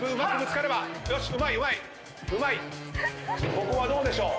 ここはどうでしょう？